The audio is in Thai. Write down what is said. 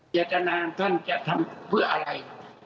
เจตนาท่านจะทำเพื่ออะไร